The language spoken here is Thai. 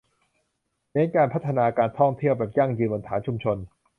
เน้นการพัฒนาการท่องเที่ยวแบบยั่งยืนบนฐานชุมชน